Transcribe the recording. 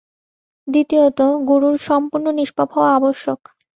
দ্বিতীয়ত গুরুর সম্পূর্ণ নিষ্পাপ হওয়া আবশ্যক।